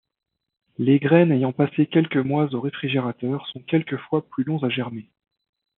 Les graines ayant passé quelques mois au réfrigérateur sont quelquefois plus longs à germer.